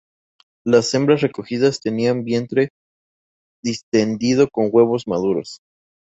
Las hembras recogidas tenían vientre distendido con huevos maduros.